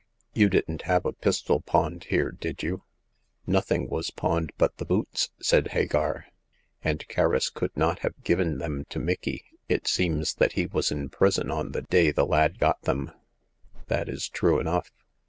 You didn't have a pistol pawned here, did you ?"Nothing was pawned but the boots," said Hagar, and Kerris could not have given them to Micky ; it seems that he was in prison on the day the lad got them." That is true enough.